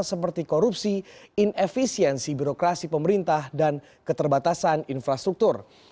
seperti korupsi inefisiensi birokrasi pemerintah dan keterbatasan infrastruktur